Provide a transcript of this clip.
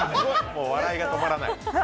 もう笑いが止まらない。